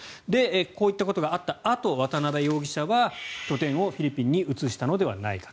こういったことがあったあと渡邉容疑者は拠点をフィリピンに移したのではないかと。